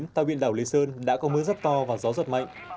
tàu biện đảo lê sơn đã có mưa rất to và gió rất mạnh